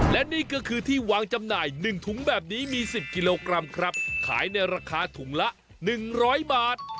และนี่ก็คือที่วางจำหน่ายหนึ่งถุงแบบนี้มีสิบกิโลกรัมครับขายในราคาถุงละหนึ่งร้อยบาท